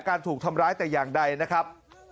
การถูกทำร้ายแต่อย่างใดนะครับ